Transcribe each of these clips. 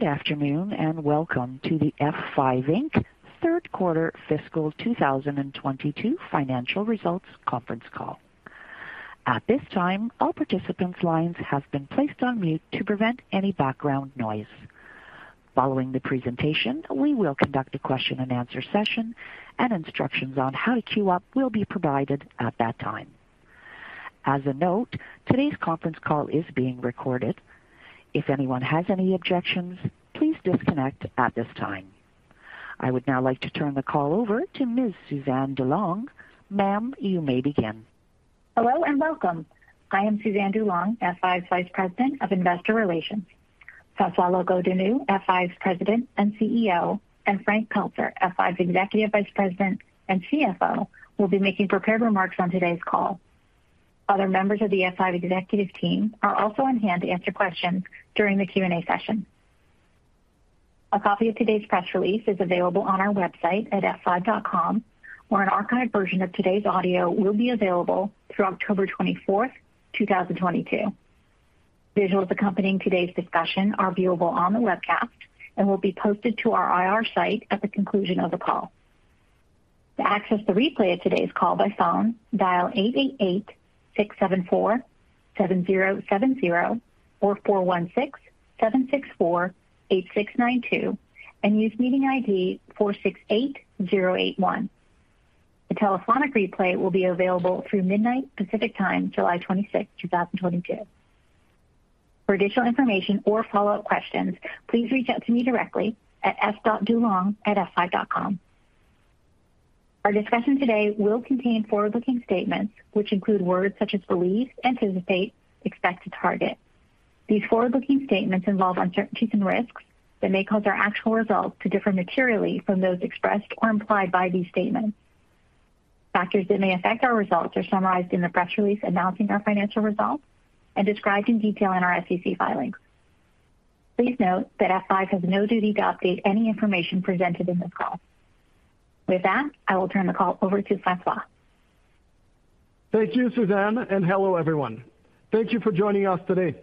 Good afternoon, and welcome to the F5, Inc. Q3 Fiscal 2022 Financial Results Conference Call. At this time, all participants' lines have been placed on mute to prevent any background noise. Following the presentation, we will conduct a question and answer session, and instructions on how to queue up will be provided at that time. As a note, today's conference call is being recorded. If anyone has any objections, please disconnect at this time. I would now like to turn the call over to Ms. Suzanne DuLong. Ma'am, you may begin. Hello and welcome. I am Suzanne DuLong, F5 Vice President of Investor Relations. François Locoh-Donou, F5 President and CEO, and Frank Pelzer, F5 Executive Vice President and CFO, will be making prepared remarks on today's call. Other members of the F5 executive team are also on hand to answer questions during the Q&A session. A copy of today's press release is available on our website at f5.com, where an archived version of today's audio will be available through October 24, 2022. Visuals accompanying today's discussion are viewable on the webcast and will be posted to our IR site at the conclusion of the call. To access the replay of today's call by phone, dial 888-674-7070 or 416-764-8692 and use meeting ID 468081. The telephonic replay will be available through midnight Pacific Time, July twenty-sixth, two thousand and twenty-two. For additional information or follow-up questions, please reach out to me directly at s.dulong@f5.com. Our discussion today will contain forward-looking statements which include words such as believe, anticipate, expect to target. These forward-looking statements involve uncertainties and risks that may cause our actual results to differ materially from those expressed or implied by these statements. Factors that may affect our results are summarized in the press release announcing our financial results and described in detail in our SEC filings. Please note that F5 has no duty to update any information presented in this call. With that, I will turn the call over to François. Thank you, Suzanne, and hello everyone. Thank you for joining us today.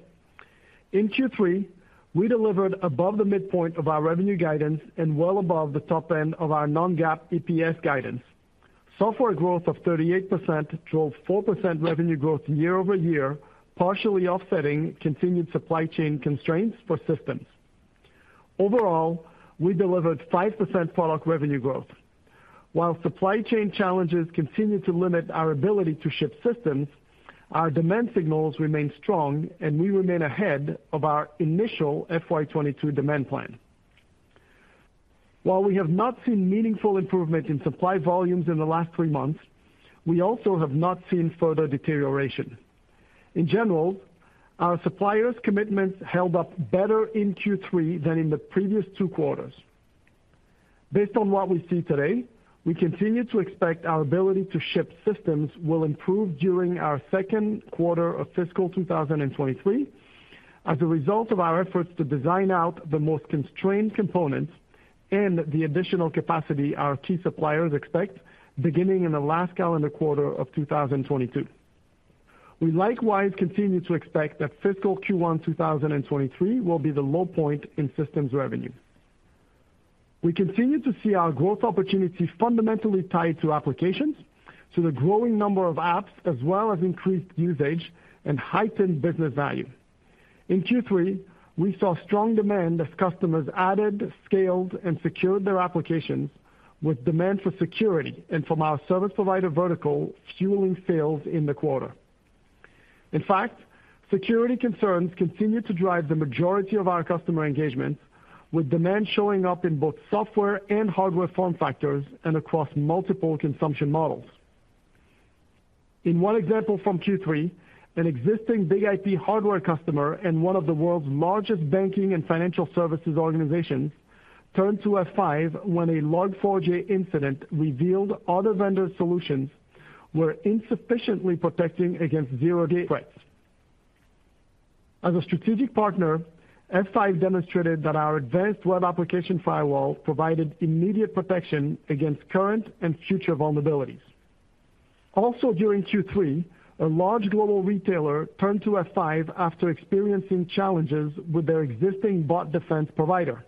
In Q3, we delivered above the midpoint of our revenue guidance and well above the top end of our non-GAAP EPS guidance. Software growth of 38% drove 4% revenue growth year-over-year, partially offsetting continued supply chain constraints for systems. Overall, we delivered 5% product revenue growth. While supply chain challenges continue to limit our ability to ship systems, our demand signals remain strong and we remain ahead of our initial FY 2022 demand plan. While we have not seen meaningful improvement in supply volumes in the last three months, we also have not seen further deterioration. In general, our suppliers commitments held up better in Q3 than in the previous two quarters. Based on what we see today, we continue to expect our ability to ship systems will improve during our Q2 of fiscal 2023 as a result of our efforts to design out the most constrained components and the additional capacity our key suppliers expect beginning in the last calendar quarter of 2022. We likewise continue to expect that fiscal Q1 2023 will be the low point in systems revenue. We continue to see our growth opportunity fundamentally tied to applications to the growing number of apps, as well as increased usage and heightened business value. In Q3, we saw strong demand as customers added, scaled, and secured their applications with demand for security and from our service provider vertical fueling sales in the quarter. In fact, security concerns continue to drive the majority of our customer engagement, with demand showing up in both software and hardware form factors and across multiple consumption models. In one example from Q3, an existing BIG-IP hardware customer and one of the world's largest banking and financial services organizations turned to F5 when a Log4j incident revealed other vendor solutions were insufficiently protecting against zero-day threats. As a strategic partner, F5 demonstrated that our advanced web application firewall provided immediate protection against current and future vulnerabilities. Also during Q3, a large global retailer turned to F5 after experiencing challenges with their existing bot defense provider.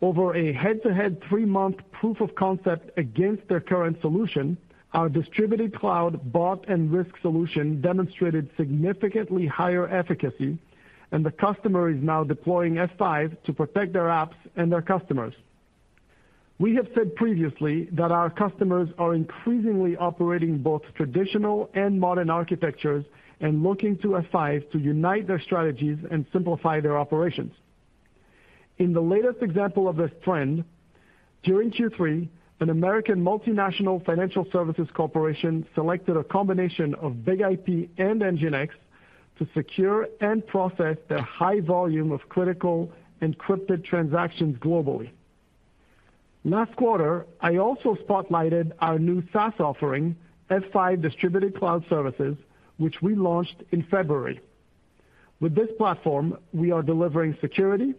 Over a head-to-head three-month proof of concept against their current solution, our Distributed Cloud Bot Defense demonstrated significantly higher efficacy, and the customer is now deploying F5 to protect their apps and their customers. We have said previously that our customers are increasingly operating both traditional and modern architectures and looking to F5 to unite their strategies and simplify their operations. In the latest example of this trend, during Q3, an American multinational financial services corporation selected a combination of BIG-IP and NGINX to secure and process their high volume of critical encrypted transactions globally. Last quarter, I also spotlighted our new SaaS offering, F5 Distributed Cloud Services, which we launched in February. With this platform, we are delivering security,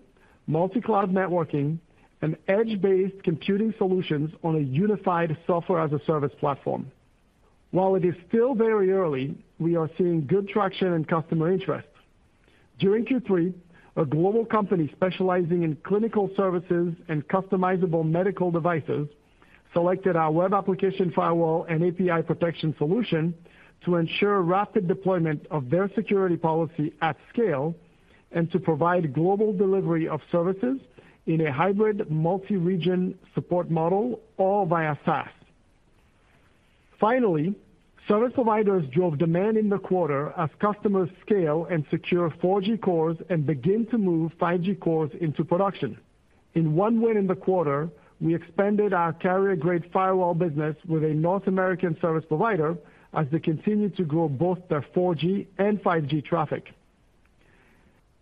multi-cloud networking, and edge-based computing solutions on a unified software as a service platform. While it is still very early, we are seeing good traction and customer interest. During Q3, a global company specializing in clinical services and customizable medical devices selected our web application firewall and API protection solution to ensure rapid deployment of their security policy at scale and to provide global delivery of services in a hybrid multi-region support model, all via SaaS. Finally, service providers drove demand in the quarter as customers scale and secure 4G cores and begin to move 5G cores into production. In one win in the quarter, we expanded our carrier-grade firewall business with a North American service provider as they continue to grow both their 4G and 5G traffic.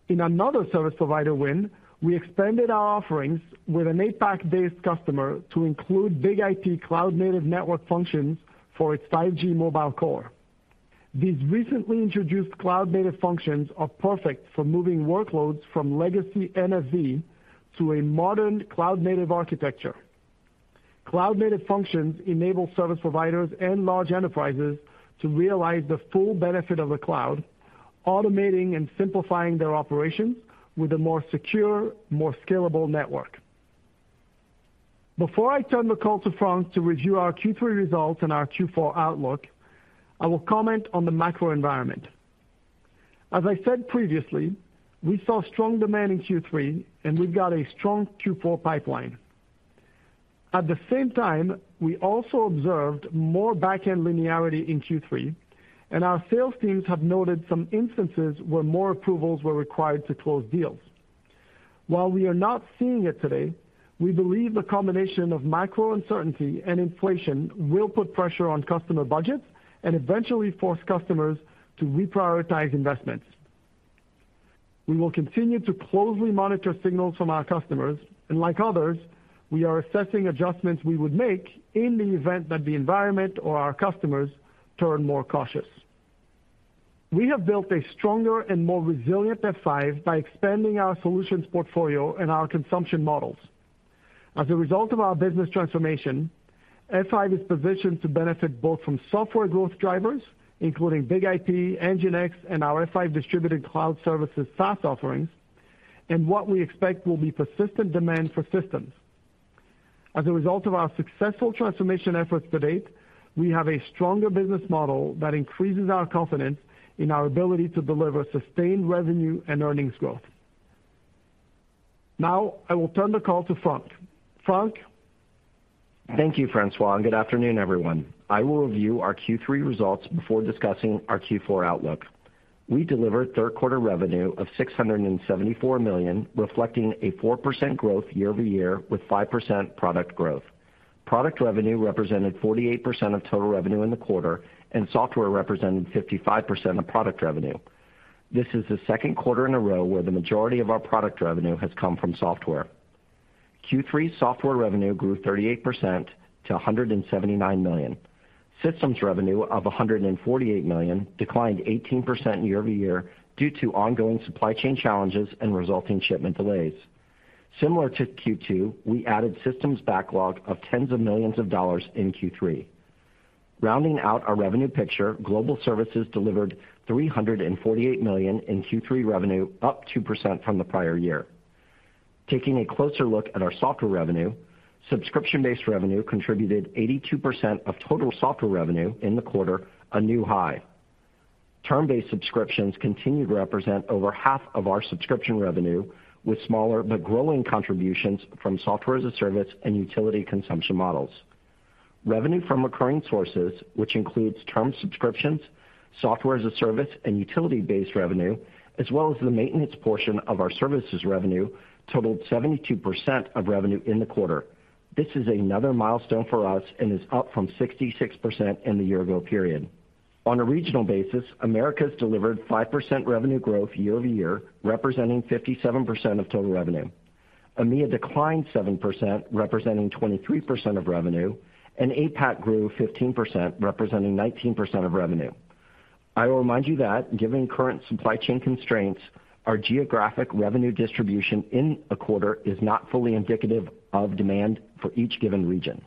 In another service provider win, we expanded our offerings with an APAC-based customer to include BIG-IP Cloud-Native Network Functions for its 5G mobile core. These recently introduced cloud-native functions are perfect for moving workloads from legacy VNF to a modern cloud-native architecture. Cloud-native functions enable service providers and large enterprises to realize the full benefit of the cloud, automating and simplifying their operations with a more secure, more scalable network. Before I turn the call to Frank to review our Q3 results and our Q4 outlook, I will comment on the macro environment. As I said previously, we saw strong demand in Q3, and we've got a strong Q4 pipeline. At the same time, we also observed more back-end linearity in Q3, and our sales teams have noted some instances where more approvals were required to close deals. While we are not seeing it today, we believe the combination of macro uncertainty and inflation will put pressure on customer budgets and eventually force customers to reprioritize investments. We will continue to closely monitor signals from our customers, and like others, we are assessing adjustments we would make in the event that the environment or our customers turn more cautious. We have built a stronger and more resilient F5 by expanding our solutions portfolio and our consumption models. As a result of our business transformation, F5 is positioned to benefit both from software growth drivers, including BIG-IP, NGINX, and our F5 Distributed Cloud Services SaaS offerings, and what we expect will be persistent demand for systems. As a result of our successful transformation efforts to date, we have a stronger business model that increases our confidence in our ability to deliver sustained revenue and earnings growth. Now, I will turn the call to Frank. Frank? Thank you, François, and good afternoon, everyone. I will review our Q3 results before discussing our Q4 outlook. We delivered Q3 revenue of $674 million, reflecting a 4% growth year-over-year with 5% product growth. Product revenue represented 48% of total revenue in the quarter, and software represented 55% of product revenue. This is the Q2 in a row where the majority of our product revenue has come from software. Q3 software revenue grew 38% to $179 million. Systems revenue of $148 million declined 18% year-over-year due to ongoing supply chain challenges and resulting shipment delays. Similar to Q2, we added systems backlog of tens of millions of dollars in Q3. Rounding out our revenue picture, global services delivered $348 million in Q3 revenue, up 2% from the prior year. Taking a closer look at our software revenue, subscription-based revenue contributed 82% of total software revenue in the quarter, a new high. Term-based subscriptions continued to represent over half of our subscription revenue, with smaller but growing contributions from software-as-a-service and utility consumption models. Revenue from recurring sources, which includes term subscriptions, software-as-a-service, and utility-based revenue, as well as the maintenance portion of our services revenue, totaled 72% of revenue in the quarter. This is another milestone for us and is up from 66% in the year-ago period. On a regional basis, Americas delivered 5% revenue growth year-over-year, representing 57% of total revenue. EMEA declined 7%, representing 23% of revenue, and APAC grew 15%, representing 19% of revenue. I will remind you that given current supply chain constraints, our geographic revenue distribution in a quarter is not fully indicative of demand for each given region.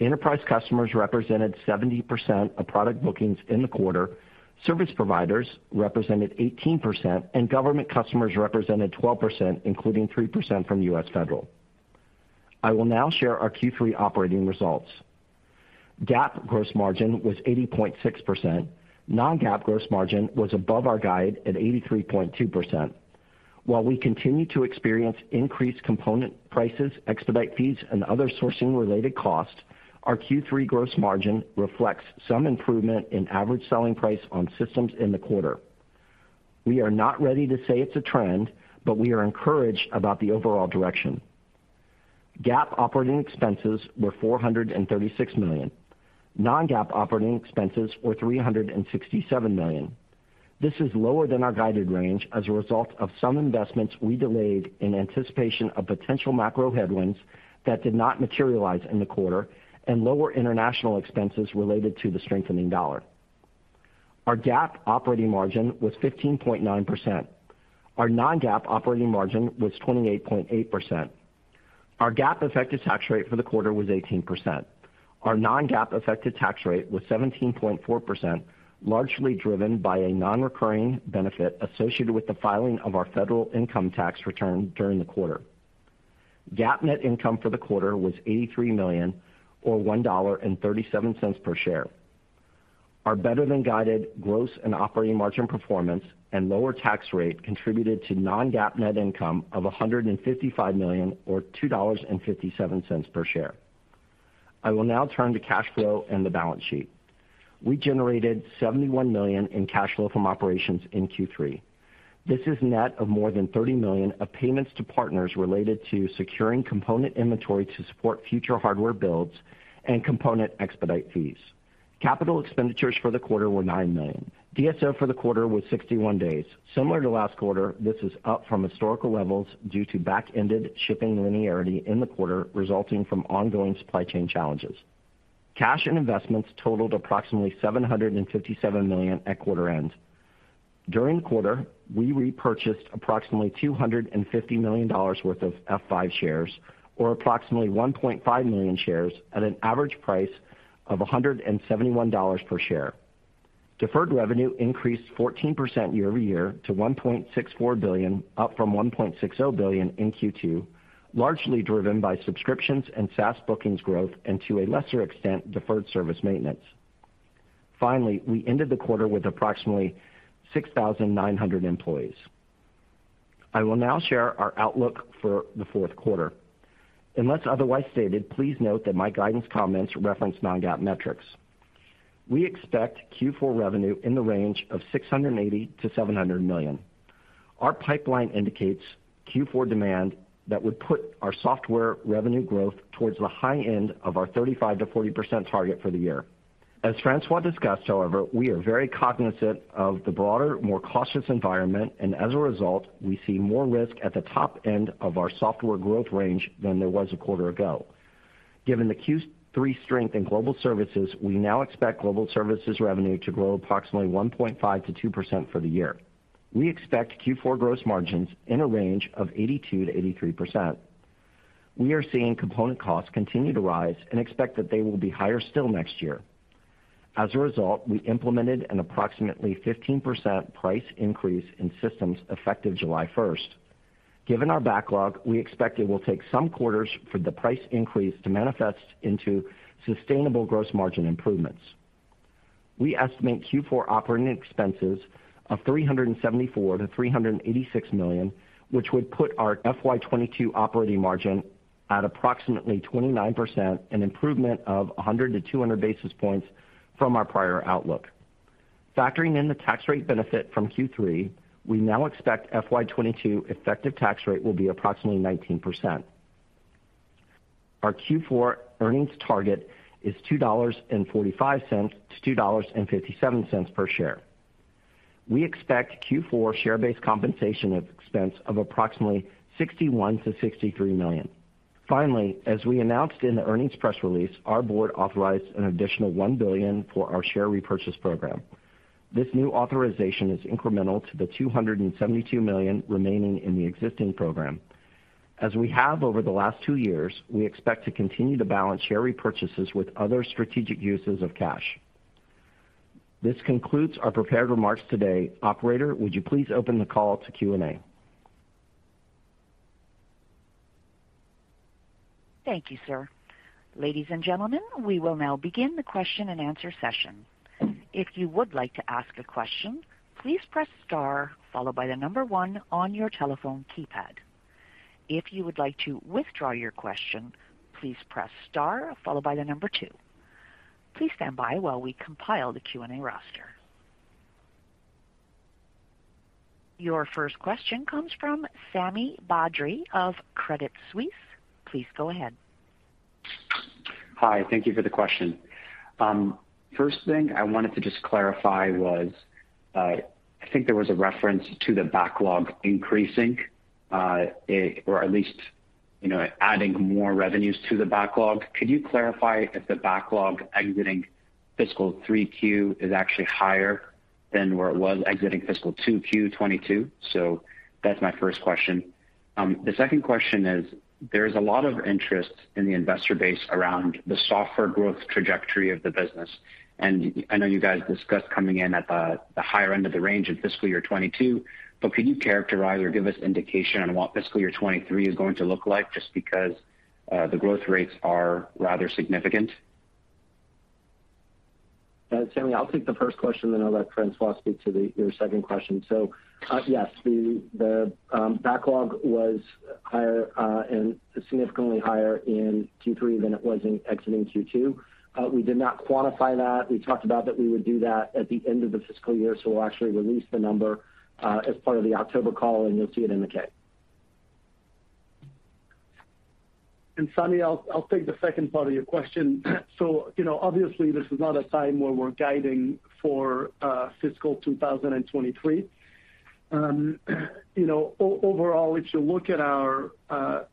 Enterprise customers represented 70% of product bookings in the quarter, service providers represented 18%, and government customers represented 12%, including 3% from U.S. federal. I will now share our Q3 operating results. GAAP gross margin was 80.6%. non-GAAP gross margin was above our guide at 83.2%. While we continue to experience increased component prices, expedite fees, and other sourcing-related costs, our Q3 gross margin reflects some improvement in average selling price on systems in the quarter. We are not ready to say it's a trend, but we are encouraged about the overall direction. GAAP operating expenses were $436 million. Non-GAAP operating expenses were $367 million. This is lower than our guided range as a result of some investments we delayed in anticipation of potential macro headwinds that did not materialize in the quarter and lower international expenses related to the strengthening dollar. Our GAAP operating margin was 15.9%. Our non-GAAP operating margin was 28.8%. Our GAAP effective tax rate for the quarter was 18%. Our non-GAAP effective tax rate was 17.4%, largely driven by a non-recurring benefit associated with the filing of our federal income tax return during the quarter. GAAP net income for the quarter was $83 million or $1.37 per share. Our better than guided gross and operating margin performance and lower tax rate contributed to non-GAAP net income of $155 million or $2.57 per share. I will now turn to cash flow and the balance sheet. We generated $71 million in cash flow from operations in Q3. This is net of more than $30 million of payments to partners related to securing component inventory to support future hardware builds and component expedite fees. Capital expenditures for the quarter were $9 million. DSO for the quarter was 61 days. Similar to last quarter, this is up from historical levels due to back-ended shipping linearity in the quarter resulting from ongoing supply chain challenges. Cash and investments totaled approximately $757 million at quarter end. During the quarter, we repurchased approximately $250 million worth of F5 shares or approximately 1.5 million shares at an average price of $171 per share. Deferred revenue increased 14% year-over-year to $1.64 billion, up from $1.60 billion in Q2, largely driven by subscriptions and SaaS bookings growth and to a lesser extent, deferred service maintenance. Finally, we ended the quarter with approximately 6,900 employees. I will now share our outlook for the Q4. Unless otherwise stated, please note that my guidance comments reference non-GAAP metrics. We expect Q4 revenue in the range of $680 million-$700 million. Our pipeline indicates Q4 demand that would put our software revenue growth towards the high end of our 35%-40% target for the year. As François discussed, however, we are very cognizant of the broader, more cautious environment, and as a result, we see more risk at the top end of our software growth range than there was a quarter ago. Given the Q3 strength in global services, we now expect global services revenue to grow approximately 1.5%-2% for the year. We expect Q4 gross margins in a range of 82%-83%. We are seeing component costs continue to rise and expect that they will be higher still next year. As a result, we implemented an approximately 15% price increase in systems effective July 1. Given our backlog, we expect it will take some quarters for the price increase to manifest into sustainable gross margin improvements. We estimate Q4 operating expenses of $374 million-$386 million, which would put our FY 2022 operating margin at approximately 29%, an improvement of 100-200 basis points from our prior outlook. Factoring in the tax rate benefit from Q3, we now expect FY 2022 effective tax rate will be approximately 19%. Our Q4 earnings target is $2.45-$2.57 per share. We expect Q4 share-based compensation expense of approximately $61 million-$63 million. Finally, as we announced in the earnings press release, our board authorized an additional $1 billion for our share repurchase program. This new authorization is incremental to the $272 million remaining in the existing program. As we have over the last two years, we expect to continue to balance share repurchases with other strategic uses of cash. This concludes our prepared remarks today. Operator, would you please open the call to Q&A? Thank you, sir. Ladies and gentlemen, we will now begin the question and answer session. If you would like to ask a question, please press star followed by the number one on your telephone keypad. If you would like to withdraw your question, please press star followed by the number two. Please stand by while we compile the Q&A roster. Your first question comes from Sami Badri of Credit Suisse. Please go ahead. Hi. Thank you for the question. First thing I wanted to just clarify was, I think there was a reference to the backlog increasing, it or at least, you know, adding more revenues to the backlog. Could you clarify if the backlog exiting fiscal 3Q is actually higher than where it was exiting fiscal 2Q 2022? That's my first question. The second question is there's a lot of interest in the investor base around the software growth trajectory of the business. I know you guys discussed coming in at the higher end of the range in fiscal year 2022, but could you characterize or give us indication on what fiscal year 2023 is going to look like just because, the growth rates are rather significant? Sami, I'll take the first question, then I'll let François speak to your second question. Yes, the backlog was higher and significantly higher in Q3 than it was in exiting Q2. We did not quantify that. We talked about that we would do that at the end of the fiscal year. We'll actually release the number as part of the October call, and you'll see it in the K. Sami, I'll take the second part of your question. You know, obviously this is not a time where we're guiding for fiscal 2023. You know, overall, if you look at our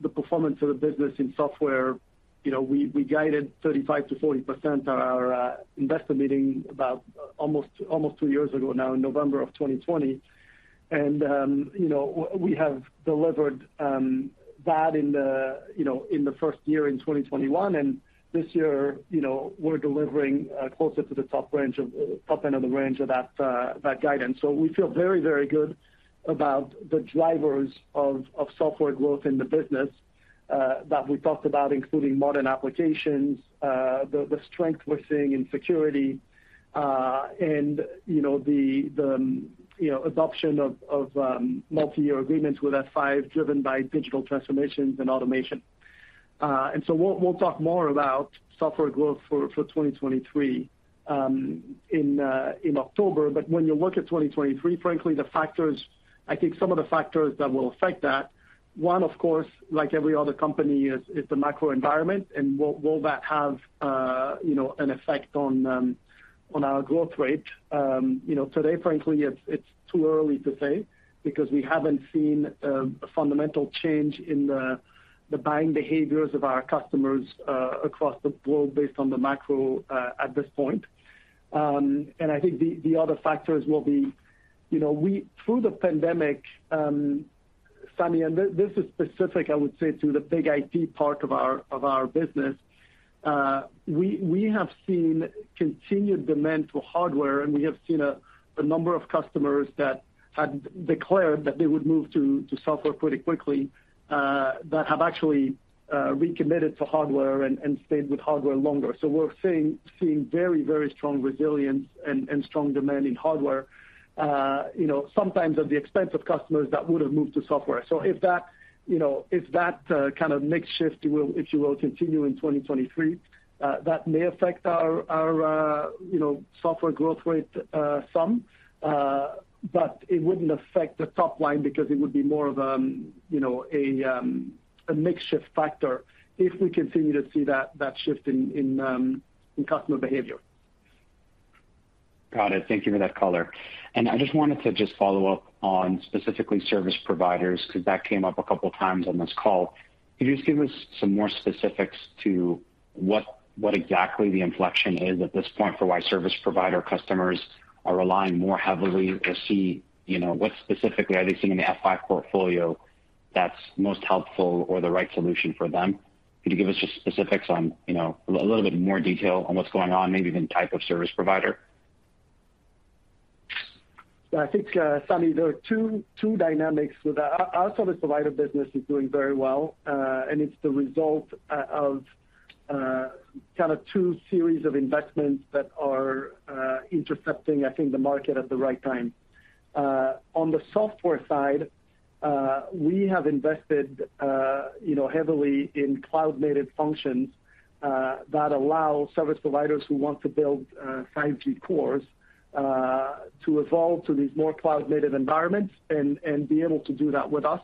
the performance of the business in software, you know, we guided 35%-40% at our investor meeting about almost two years ago now in November 2020. You know, we have delivered that in the first year in 2021. This year, you know, we're delivering closer to the top end of the range of that guidance. We feel very, very good about the drivers of software growth in the business that we talked about, including modern applications, the strength we're seeing in security, and, you know, the adoption of multiyear agreements with F5 driven by digital transformations and automation. We'll talk more about software growth for 2023 in October. When you look at 2023, frankly, the factors, I think some of the factors that will affect that, one, of course, like every other company, is the macro environment and will that have you know, an effect on our growth rate? You know, today, frankly, it's too early to say because we haven't seen a fundamental change in the buying behaviors of our customers across the globe based on the macro at this point. I think the other factors will be, you know, through the pandemic, Sami, and this is specific, I would say to the BIG-IP part of our business. We have seen continued demand for hardware, and we have seen a number of customers that had declared that they would move to software pretty quickly that have actually recommitted to hardware and stayed with hardware longer. We're seeing very strong resilience and strong demand in hardware, you know, sometimes at the expense of customers that would have moved to software. If that kind of mix shift will, if you will, continue in 2023, that may affect our software growth rate some, but it wouldn't affect the top line because it would be more of a mix shift factor if we continue to see that shift in customer behavior. Got it. Thank you for that color. I just wanted to follow up on specifically service providers, 'cause that came up a couple times on this call. Could you just give us some more specifics to what exactly the inflection is at this point for why service provider customers are relying more heavily, you know, what specifically are they seeing in the F5 portfolio that's most helpful or the right solution for them? Could you give us just specifics on, you know, a little bit more detail on what's going on, maybe even type of service provider? I think, Sami, there are two dynamics to that. Our service provider business is doing very well, and it's the result of kinda two series of investments that are intercepting, I think, the market at the right time. On the software side, we have invested, you know, heavily in cloud-native functions that allow service providers who want to build 5G cores to evolve to these more cloud-native environments and be able to do that with us.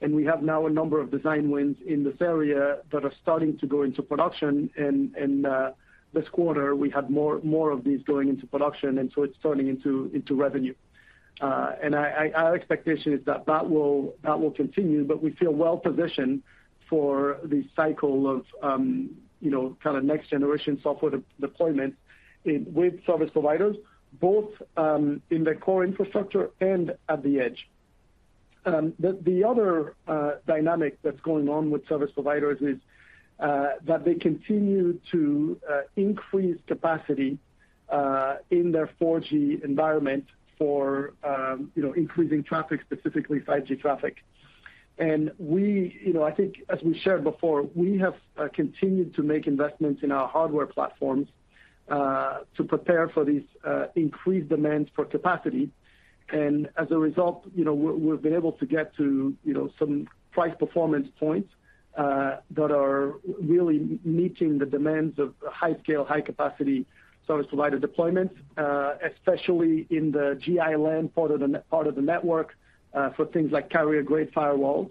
We have now a number of design wins in this area that are starting to go into production. This quarter, we had more of these going into production, and so it's turning into revenue. Our expectation is that will continue, but we feel well positioned for the cycle of, you know, kinda next generation software deployment with service providers, both in the core infrastructure and at the edge. The other dynamic that's going on with service providers is that they continue to increase capacity in their 4G environment for, you know, increasing traffic, specifically 5G traffic. I think as we shared before, we have continued to make investments in our hardware platforms to prepare for these increased demands for capacity. As a result, you know, we've been able to get to, you know, some price performance points that are really meeting the demands of high scale, high capacity service provider deployments, especially in the Gi-LAN part of the network, for things like carrier-grade firewalls.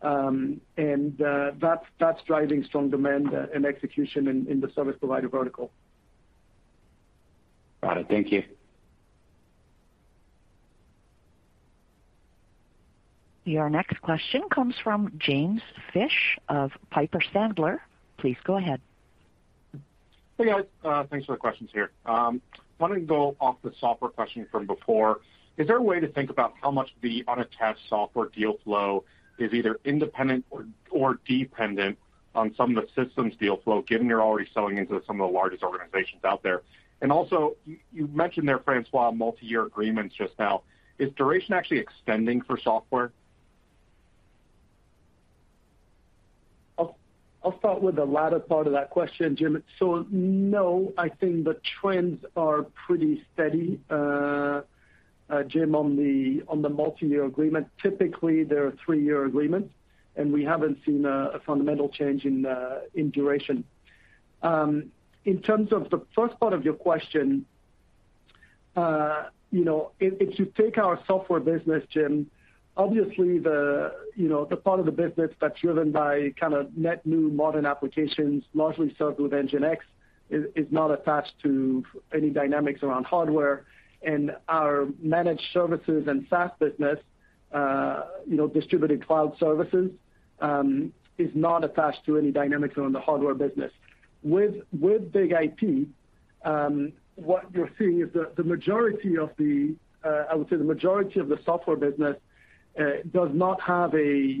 That's driving strong demand and execution in the service provider vertical. Got it. Thank you. Your next question comes from James Fish of Piper Sandler. Please go ahead. Hey, guys. Thanks for the questions here. Wanted to go off the software question from before. Is there a way to think about how much the unattached software deal flow is either independent or dependent on some of the systems deal flow, given you're already selling into some of the largest organizations out there? Also, you mentioned there, François, multiyear agreements just now. Is duration actually extending for software? I'll start with the latter part of that question, Jim. No, I think the trends are pretty steady, Jim, on the multiyear agreement. Typically, they're three-year agreements, and we haven't seen a fundamental change in duration. In terms of the first part of your question, you know, if you take our software business, Jim, obviously, you know, the part of the business that's driven by kinda net new modern applications, largely served with NGINX, is not attached to any dynamics around hardware and our managed services and SaaS business, you know, Distributed Cloud Services, is not attached to any dynamics around the hardware business. With BIG-IP, what you're seeing is the majority of the, I would say the majority of the software business is not attached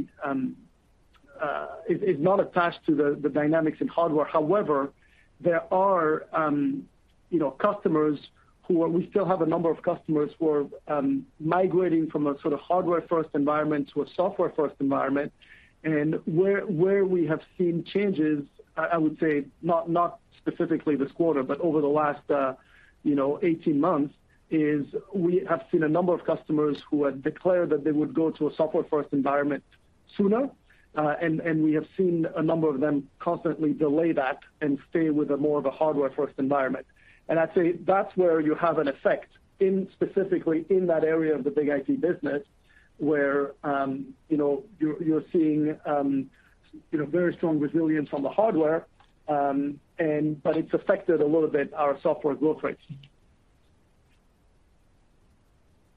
to the dynamics in hardware. However, there are, you know, we still have a number of customers who are migrating from a sort of hardware first environment to a software first environment. Where we have seen changes, I would say not specifically this quarter, but over the last, you know, 18 months, is we have seen a number of customers who had declared that they would go to a software first environment sooner. And we have seen a number of them constantly delay that and stay with more of a hardware first environment. I'd say that's where you have an effect, specifically, in that area of the BIG-IP business where, you know, you're seeing, you know, very strong resilience on the hardware, but it's affected a little bit our software growth rates.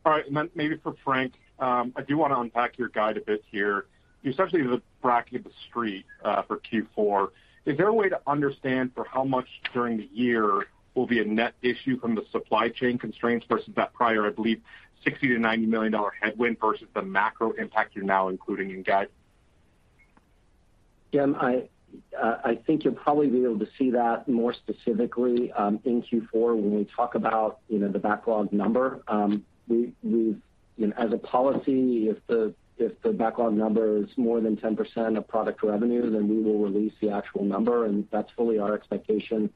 All right. Maybe for Frank, I do want to unpack your guide a bit here. You essentially bracket the street for Q4. Is there a way to understand for how much during the year will be a net issue from the supply chain constraints versus that prior, I believe $60 million-$90 million headwind versus the macro impact you're now including in guide? Jim, I think you'll probably be able to see that more specifically in Q4 when we talk about, you know, the backlog number. We've you know as a policy, if the backlog number is more than 10% of product revenue, then we will release the actual number, and that's fully our expectation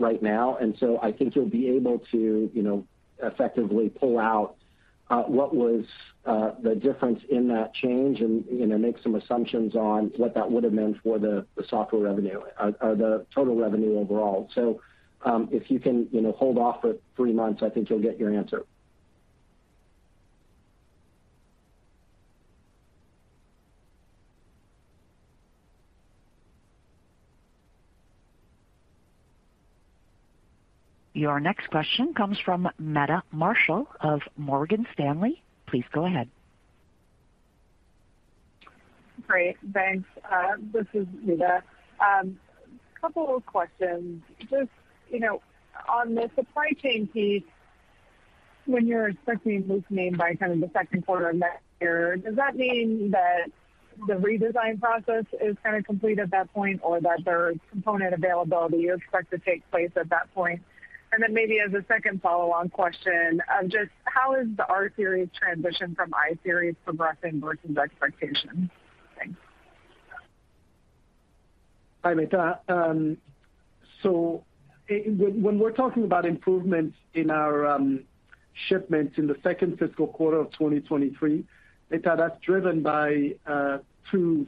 right now. I think you'll be able to, you know, effectively pull out what was the difference in that change and, you know, make some assumptions on what that would have meant for the software revenue or the total revenue overall. If you can, you know, hold off for three months, I think you'll get your answer. Your next question comes from Meta Marshall of Morgan Stanley. Please go ahead. Great. Thanks. This is Meta. Couple of questions. Just, you know, on the supply chain piece, when you're expecting loosening by kind of the Q2 of next year, does that mean that the redesign process is kind of complete at that point, or that there's component availability you expect to take place at that point? And then maybe as a second follow on question, just how is the rSeries transition from iSeries progressing versus expectations? Thanks. Hi, Meta. When we're talking about improvements in our shipments in the second fiscal quarter of 2023, Meta, that's driven by two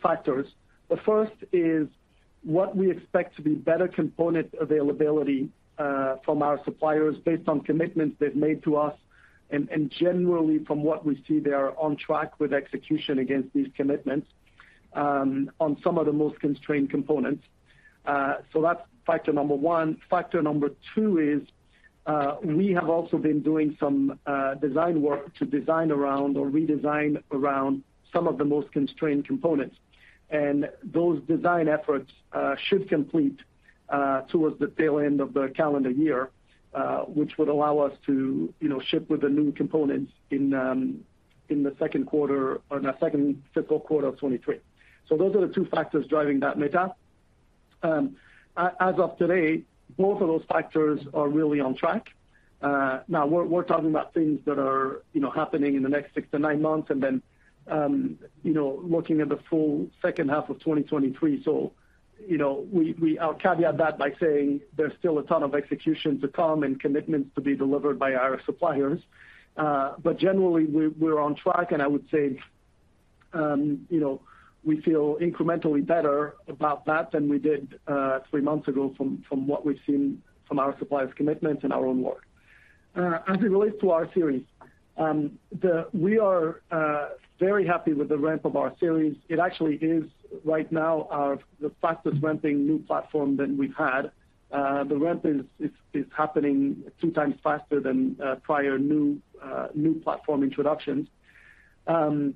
factors. The first is what we expect to be better component availability from our suppliers based on commitments they've made to us. Generally, from what we see, they are on track with execution against these commitments on some of the most constrained components. That's factor number one. Factor number two is we have also been doing some design work to design around or redesign around some of the most constrained components. Those design efforts should complete towards the tail end of the calendar year, which would allow us to, you know, ship with the new components in the Q2 or in the second fiscal quarter of 2023. Those are the two factors driving that, Meta. As of today, both of those factors are really on track. Now we're talking about things that are, you know, happening in the next six to nine months and then, you know, looking at the full second half of 2023. You know, I'll caveat that by saying there's still a ton of execution to come and commitments to be delivered by our suppliers. Generally we're on track, and I would say, you know, we feel incrementally better about that than we did three months ago from what we've seen from our suppliers' commitments and our own work. As it relates to rSeries, we are very happy with the ramp of rSeries. It actually is right now the fastest ramping new platform that we've had. The ramp is happening two times faster than prior new platform introductions. And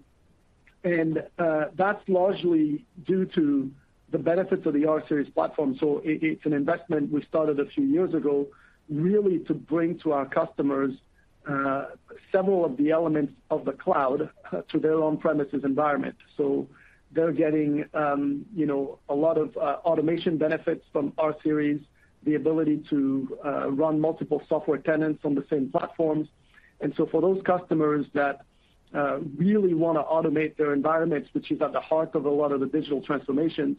that's largely due to the benefits of the rSeries platform. It's an investment we started a few years ago, really to bring to our customers several of the elements of the cloud to their on-premises environment. They're getting, you know, a lot of automation benefits from rSeries, the ability to run multiple software tenants on the same platforms. For those customers that really wanna automate their environments, which is at the heart of a lot of the digital transformations,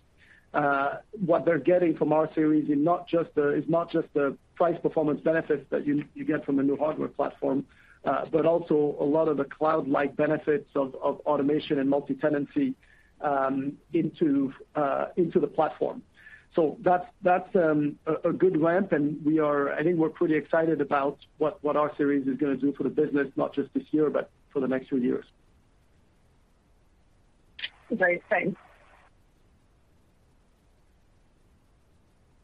what they're getting from rSeries is not just the price performance benefits that you get from a new hardware platform, but also a lot of the cloud-like benefits of automation and multi-tenancy into the platform. That's a good ramp, and I think we're pretty excited about what rSeries is gonna do for the business, not just this year, but for the next few years. Great. Thanks.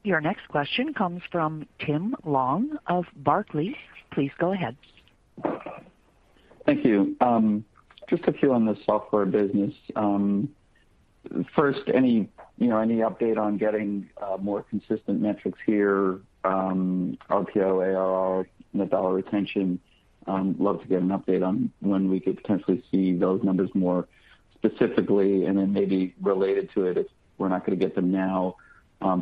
Your next question comes from Tim Long of Barclays. Please go ahead. Thank you. Just a few on the software business. First, any, you know, update on getting more consistent metrics here, RPO, ARR, net dollar retention. Love to get an update on when we could potentially see those numbers more specifically, and then maybe related to it, if we're not gonna get them now,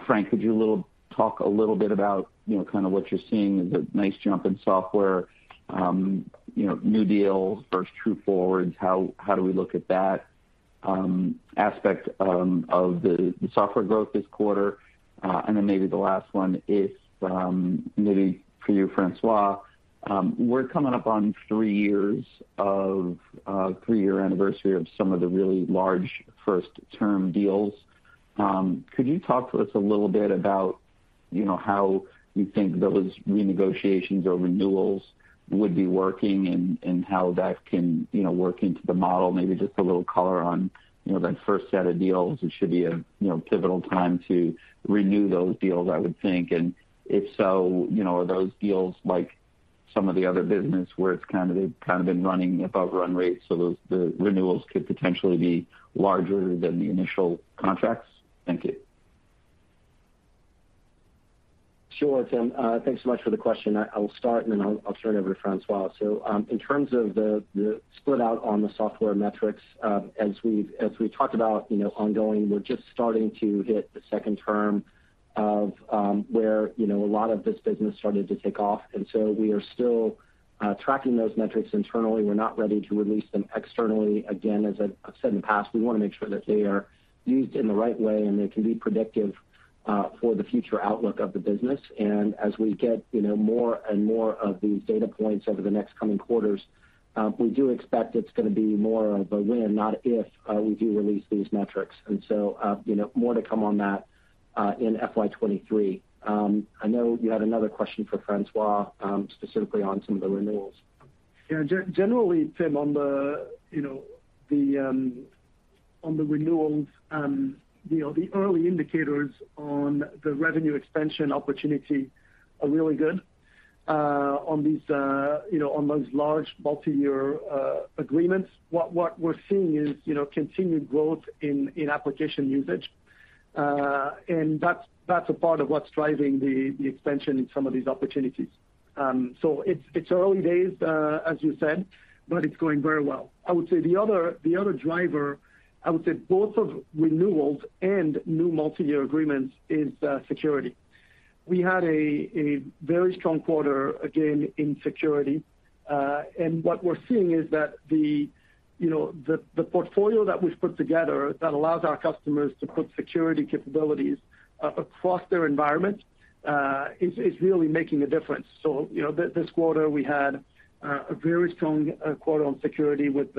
Frank, could you talk a little bit about, you know, kinda what you're seeing as a nice jump in software, you know, new deals versus true forwards. How do we look at that aspect of the software growth this quarter? Then maybe the last one is maybe for you, François, we're coming up on three years of three-year anniversary of some of the really large first-term deals. Could you talk to us a little bit about, you know, how you think those renegotiations or renewals would be working and how that can, you know, work into the model? Maybe just a little color on, you know, that first set of deals. It should be a, you know, pivotal time to renew those deals, I would think. If so, you know, are those deals like some of the other business where it's kind of been running above run rates, so those the renewals could potentially be larger than the initial contracts? Thank you. Sure, Tim. Thanks so much for the question. I'll start and then I'll turn it over to François. In terms of the split out on the software metrics, as we've talked about, you know, ongoing, we're just starting to hit the second term of where, you know, a lot of this business started to take off. We are still tracking those metrics internally. We're not ready to release them externally. Again, as I've said in the past, we wanna make sure that they are used in the right way, and they can be predictive for the future outlook of the business. As we get, you know, more and more of these data points over the next coming quarters, we do expect it's gonna be more of a when, not if, we do release these metrics. You know, more to come on that, in FY 2023. I know you had another question for François, specifically on some of the renewals. Yeah. Generally, Tim, on the renewals, you know, the early indicators on the revenue expansion opportunity are really good on those large multiyear agreements. What we're seeing is, you know, continued growth in application usage. That's a part of what's driving the expansion in some of these opportunities. It's early days as you said, but it's going very well. I would say the other driver both of renewals and new multiyear agreements is security. We had a very strong quarter again in security. What we're seeing is that you know, the portfolio that we've put together that allows our customers to put security capabilities across their environment is really making a difference. You know, this quarter we had a very strong quarter on security with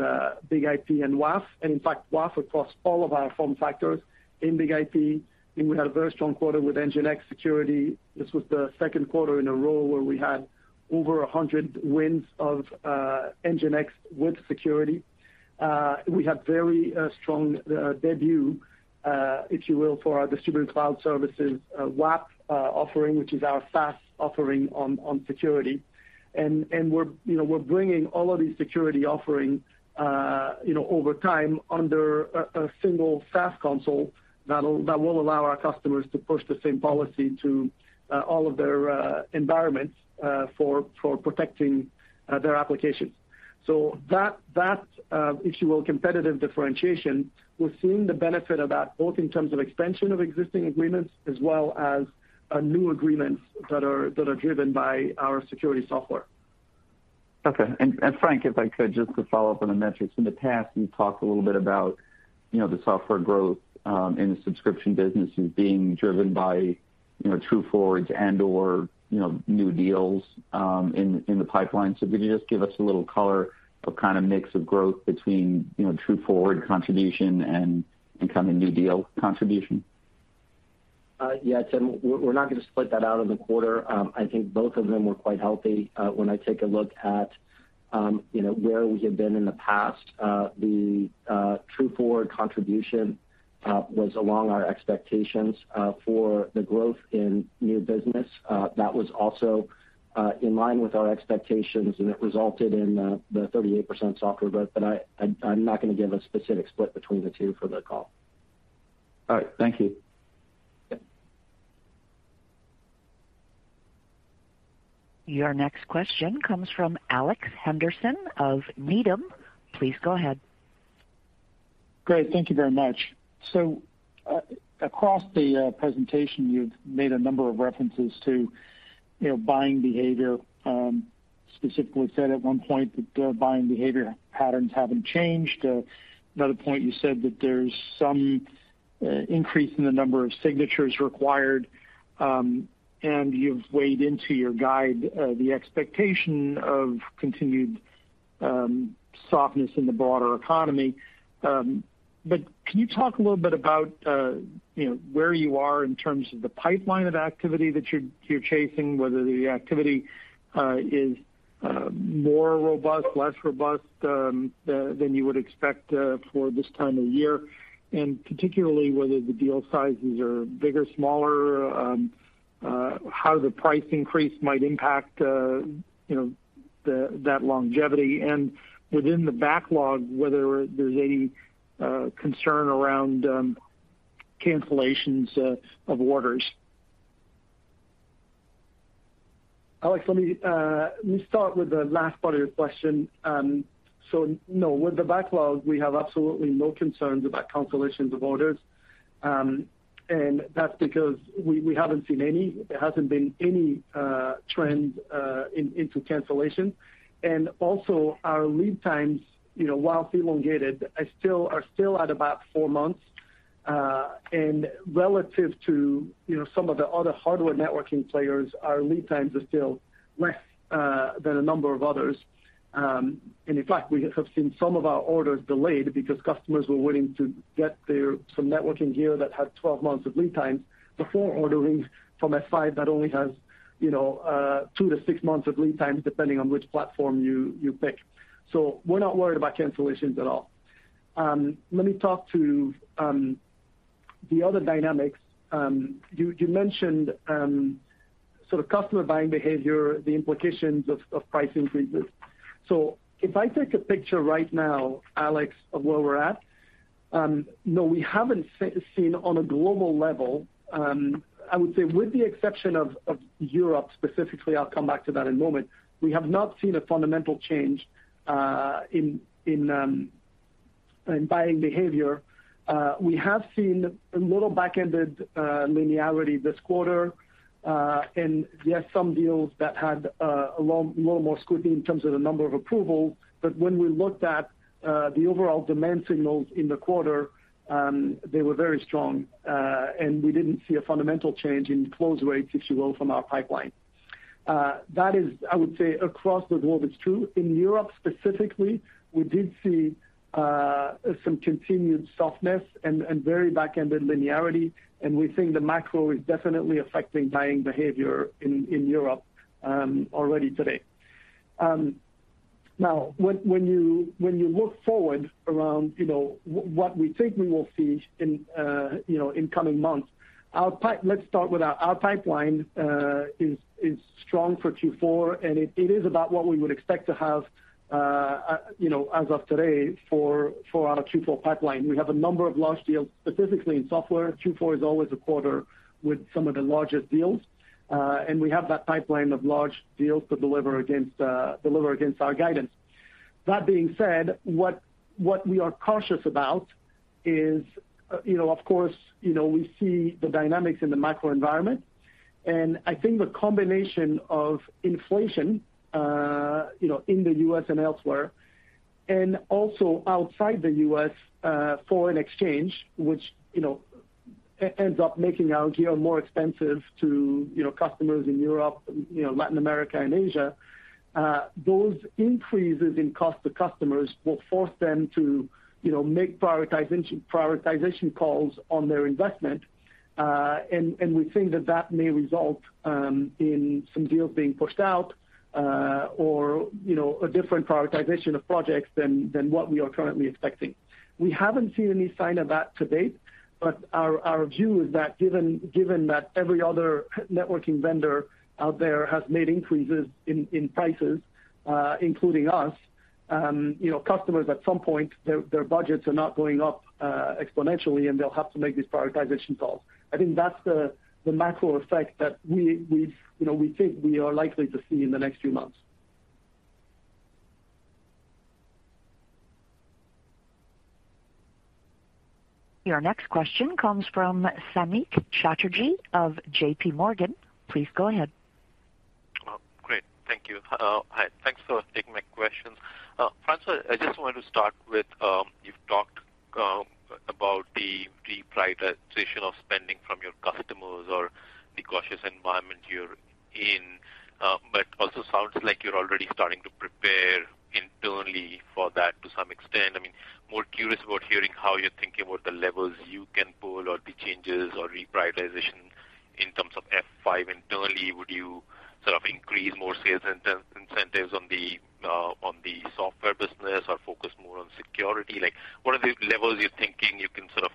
BIG-IP and WAF, and in fact, WAF across all of our form factors in BIG-IP. We had a very strong quarter with NGINX security. This was the Q2 in a row where we had over 100 wins of NGINX with security. We had very strong debut, if you will, for our Distributed Cloud Services WAF offering, which is our SaaS offering on security. We're, you know, we're bringing all of these security offerings, you know, over time under a single SaaS console that will allow our customers to push the same policy to all of their environments for protecting their applications. That, if you will, competitive differentiation. We're seeing the benefit of that both in terms of expansion of existing agreements as well as new agreements that are driven by our security software. Frank, if I could just to follow up on the metrics. In the past, you talked a little bit about, you know, the software growth in the subscription businesses being driven by, you know, true-ups and/or, you know, new deals in the pipeline. Could you just give us a little color on kind of mix of growth between, you know, true-up contribution and incoming new deal contribution? Yeah, Tim, we're not gonna split that out of the quarter. I think both of them were quite healthy. When I take a look at you know, where we have been in the past, the true forward contribution was along our expectations for the growth in new business. That was also in line with our expectations, and it resulted in the 38% software growth. I'm not gonna give a specific split between the two for the call. All right. Thank you. Yeah. Your next question comes from Alex Henderson of Needham. Please go ahead. Great. Thank you very much. Across the presentation, you've made a number of references to, you know, buying behavior. Specifically said at one point that buying behavior patterns haven't changed. Another point you said that there's some increase in the number of signatures required. You've weighed into your guide the expectation of continued softness in the broader economy. Can you talk a little bit about, you know, where you are in terms of the pipeline of activity that you're chasing, whether the activity is more robust, less robust, than you would expect for this time of year? Particularly whether the deal sizes are bigger, smaller, how the price increase might impact, you know, that longevity, and within the backlog, whether there's any concern around cancellations of orders. Alex, let me start with the last part of your question. No, with the backlog, we have absolutely no concerns about cancellations of orders. That's because we haven't seen any. There hasn't been any trend into cancellation. Also our lead times, you know, while elongated are still at about four months. Relative to, you know, some of the other hardware networking players, our lead times are still less than a number of others. In fact, we have seen some of our orders delayed because customers were waiting to get their some networking gear that had 12 months of lead times before ordering from F5 that only has, you know, 2-6 months of lead times, depending on which platform you pick. We're not worried about cancellations at all. Let me talk to the other dynamics. You mentioned the customer buying behavior, the implications of price increases. If I take a picture right now, Alex, of where we're at, no, we haven't seen on a global level, I would say with the exception of Europe specifically. I'll come back to that in a moment. We have not seen a fundamental change in buying behavior. We have seen a little back-ended linearity this quarter. Yes, some deals that had a little more scrutiny in terms of the number of approvals, but when we looked at the overall demand signals in the quarter, they were very strong. We didn't see a fundamental change in close rates, if you will, from our pipeline. That is, I would say, across the globe, it's true. In Europe specifically, we did see some continued softness and very back-ended linearity, and we think the macro is definitely affecting buying behavior in Europe already today. Now when you look forward around, you know, what we think we will see in coming months, let's start with our pipeline. Our pipeline is strong for Q4, and it is about what we would expect to have, you know, as of today for our Q4 pipeline. We have a number of large deals, specifically in software. Q4 is always a quarter with some of the largest deals, and we have that pipeline of large deals to deliver against our guidance. That being said, what we are cautious about is, you know, of course, you know, we see the dynamics in the macro environment, and I think the combination of inflation, you know, in the U.S. and elsewhere, and also outside the U.S., foreign exchange, which, you know, ends up making our gear more expensive to, you know, customers in Europe, you know, Latin America and Asia. Those increases in cost to customers will force them to, you know, make prioritization calls on their investment. We think that may result in some deals being pushed out, or, you know, a different prioritization of projects than what we are currently expecting. We haven't seen any sign of that to date, but our view is that given that every other networking vendor out there has made increases in prices, including us, you know, customers at some point, their budgets are not going up exponentially, and they'll have to make these prioritization calls. I think that's the macro effect that we you know we think we are likely to see in the next few months. Your next question comes from Samik Chatterjee of J. P. Morgan. Please go ahead. Oh, great. Thank you. Hi. Thanks for taking my questions. François, I just wanted to start with, you've talked about the deprioritization of spending from your customers or the cautious environment you're in, but also sounds like you're already starting to prepare internally for that to some extent. I mean, more curious about hearing how you're thinking about the levels you can pull or the changes or reprioritization in terms of F5 internally. Would you sort of increase more sales incentives on the software business or focus more on security? Like, what are the levels you're thinking you can sort of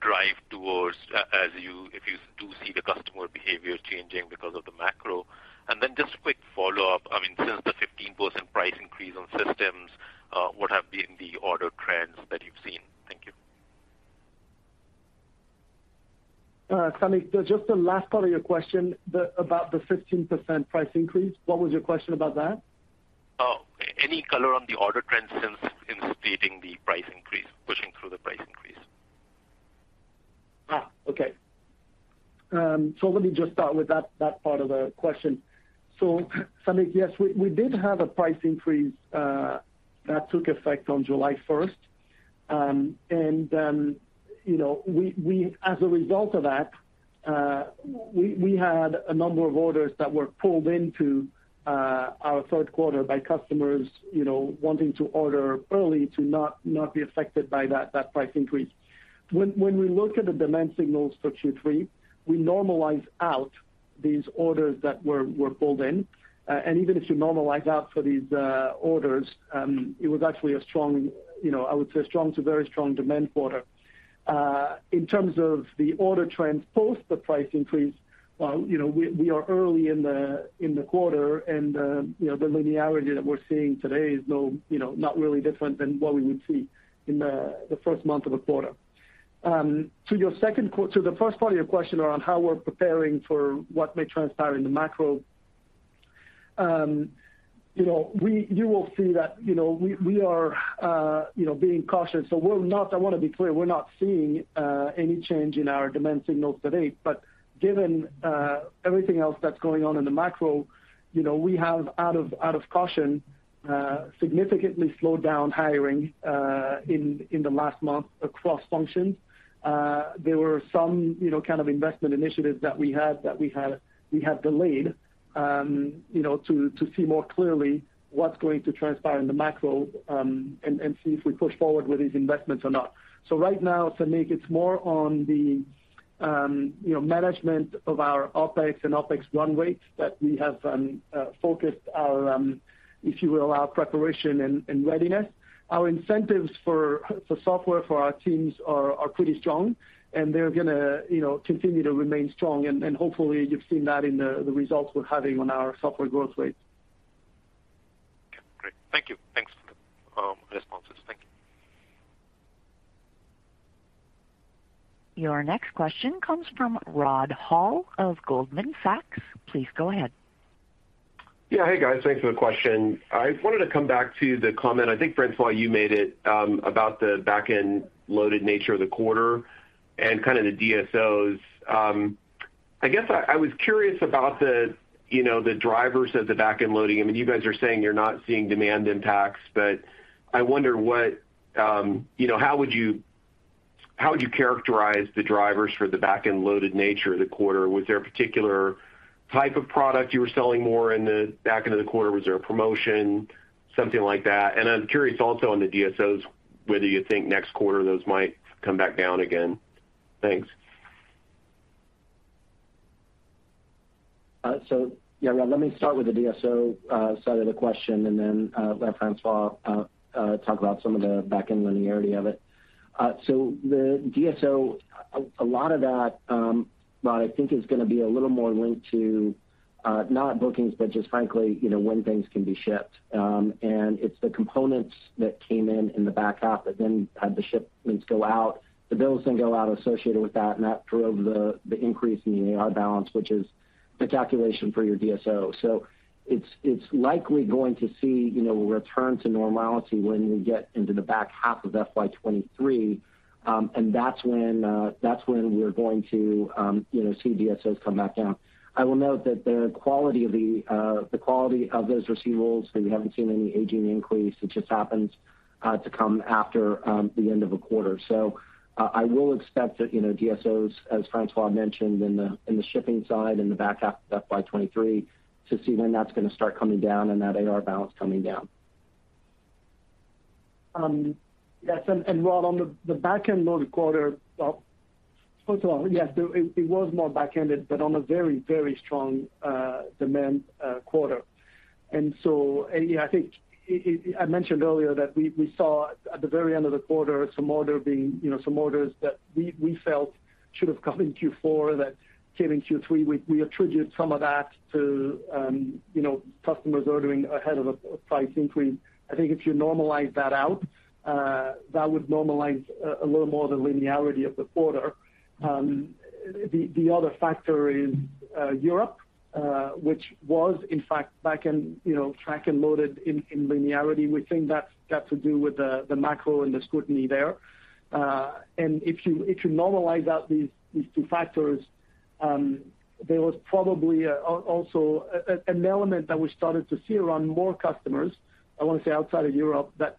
drive towards as you if you do see the customer behavior changing because of the macro? Then just quick follow-up. I mean, since the 15% price increase on systems, what have been the order trends that you've seen? Thank you. Samik, just the last part of your question, about the 15% price increase. What was your question about that? Oh, any color on the order trends since instituting the price increase, pushing through the price increase? Let me just start with that part of the question. Samik, yes, we did have a price increase that took effect on July first. You know, we as a result of that, we had a number of orders that were pulled into our Q3 by customers, you know, wanting to order early to not be affected by that price increase. When we look at the demand signals for Q3, we normalize out these orders that were pulled in. Even if you normalize out for these orders, it was actually a strong, you know, I would say a strong to very strong demand quarter. In terms of the order trends post the price increase, you know, we are early in the quarter and, you know, the linearity that we're seeing today is, you know, not really different than what we would see in the first month of a quarter. To the first part of your question around how we're preparing for what may transpire in the macro. You will see that, you know, we are being cautious. I want to be clear, we're not seeing any change in our demand signals to date. Given everything else that's going on in the macro, you know, we have out of caution significantly slowed down hiring in the last month across functions. There were some, you know, kind of investment initiatives that we had that we have, we have delayed, you know, to see more clearly what's going to transpire in the macro, and see if we push forward with these investments or not. Right now, Samik, it's more on the, you know, management of our OpEx and OpEx run rate that we have, focused our, if you will, our preparation and readiness. Our incentives for software for our teams are pretty strong, and they're gonna, you know, continue to remain strong. And hopefully you've seen that in the results we're having on our software growth rate. Okay. Great. Thank you. Thanks for the responses. Thank you. Your next question comes from Rod Hall of Goldman Sachs. Please go ahead. Yeah. Hey, guys. Thanks for the question. I wanted to come back to the comment. I think, François, you made it, about the back-end loaded nature of the quarter and kind of the DSOs. I guess I was curious about the, you know, the drivers of the back-end loading. I mean, you guys are saying you're not seeing demand impacts, but I wonder what, you know, how would you characterize the drivers for the back-end loaded nature of the quarter? Was there a particular type of product you were selling more in the back end of the quarter? Was there a promotion, something like that? And I'm curious also on the DSOs, whether you think next quarter those might come back down again. Thanks. Yeah, Rod, let me start with the DSO side of the question and then let François talk about some of the back-end linearity of it. The DSO, a lot of that, Rod, I think is gonna be a little more linked to, not bookings, but just frankly, you know, when things can be shipped. It's the components that came in in the back half that then had the shipments go out, the bills then go out associated with that, and that drove the increase in the AR balance, which is the calculation for your DSO. It's likely going to see, you know, a return to normality when we get into the back half of FY 2023. That's when we're going to, you know, see DSOs come back down. I will note that the quality of those receivables, we haven't seen any aging increase. It just happens to come after the end of a quarter. I will expect that, you know, DSOs, as François mentioned in the shipping side in the back half of FY 2023 to see when that's gonna start coming down and that AR balance coming down. Yes. Rod, on the back-end loaded quarter, first of all, yes, it was more back-ended, but on a very strong demand quarter. Yeah, I think I mentioned earlier that we saw at the very end of the quarter some orders that we felt should have come in Q4 that came in Q3. We attribute some of that to, you know, customers ordering ahead of a price increase. I think if you normalize that out, that would normalize a little more the linearity of the quarter. The other factor is Europe, which was in fact back on track and loaded in linearity. We think that's got to do with the macro and the scrutiny there. If you normalize out these two factors, there was probably also an element that we started to see around more customers, I want to say outside of Europe, that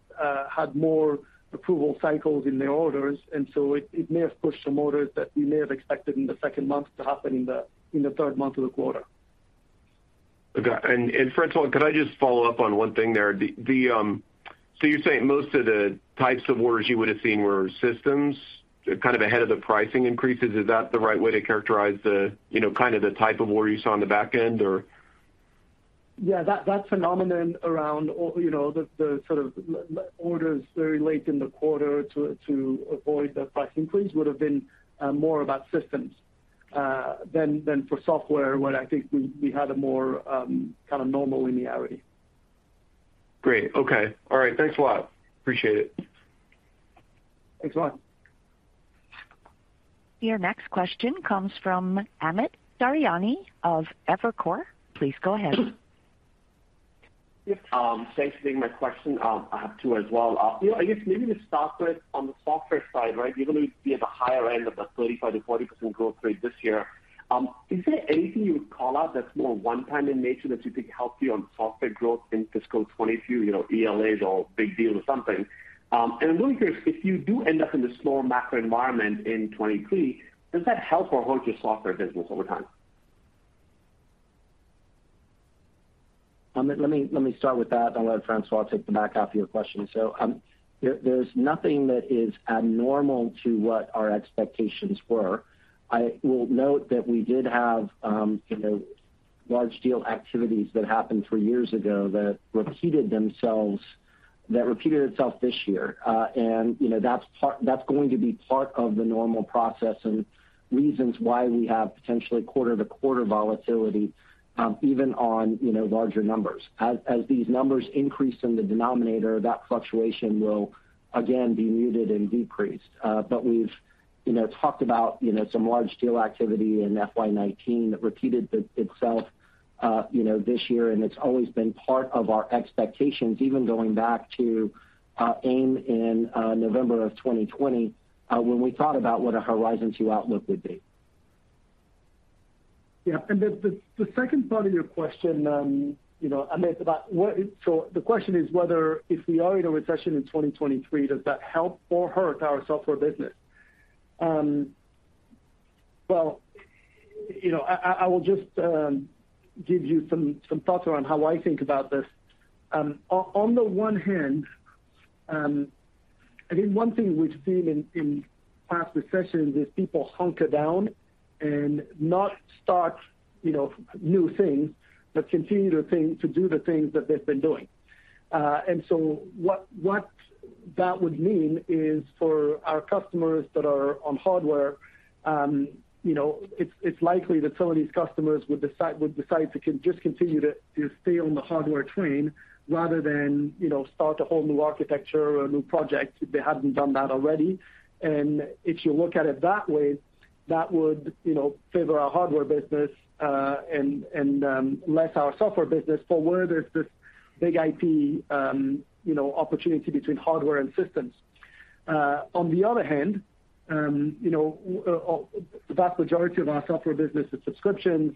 had more approval cycles in their orders. It may have pushed some orders that you may have expected in the second month to happen in the third month of the quarter. Okay. François, could I just follow up on one thing there? You're saying most of the types of orders you would have seen were systems kind of ahead of the pricing increases. Is that the right way to characterize the, you know, kind of the type of order you saw on the back end or? Yeah, that phenomenon around or, you know, the sort of large orders very late in the quarter to avoid the price increase would have been more about systems than for software where I think we had a more kind of normal linearity. Great. Okay. All right. Thanks a lot. Appreciate it. Thanks a lot. Your next question comes from Amit Daryanani of Evercore. Please go ahead. Thanks for taking my question. I have two as well. You know, I guess maybe to start with on the software side, right? You're going to be at the higher end of the 35%-40% growth rate this year. Is there anything you would call out that's more one time in nature that you think helped you on software growth in fiscal 2022? You know, ELAs or big deal or something. I'm really curious, if you do end up in the slower macro environment in 2023, does that help or hurt your software business over time? Let me start with that, and I'll let François take the back half of your question. There's nothing that is abnormal to what our expectations were. I will note that we did have, you know, large deal activities that happened three years ago that repeated itself this year. You know, that's going to be part of the normal process and reasons why we have potentially quarter-to-quarter volatility, even on, you know, larger numbers. As these numbers increase in the denominator, that fluctuation will again be muted and decreased. We've, you know, talked about, you know, some large deal activity in FY 19 that repeated itself, you know, this year, and it's always been part of our expectations, even going back to AIM in November of 2020, when we thought about what a horizon two outlook would be. Yeah. The second part of your question, you know, Amit, so the question is whether if we are in a recession in 2023, does that help or hurt our software business? Well, you know, I will just give you some thoughts around how I think about this. On the one hand, I think one thing we've seen in past recessions is people hunker down and not start, you know, new things, but continue the thing, to do the things that they've been doing. What that would mean is for our customers that are on hardware, you know, it's likely that some of these customers would decide to just continue to stay on the hardware train rather than, you know, start a whole new architecture or a new project if they hadn't done that already. If you look at it that way, that would, you know, favor our hardware business, and less our software business for where there's this big IP, you know, opportunity between hardware and systems. On the other hand, you know, the vast majority of our software business is subscriptions.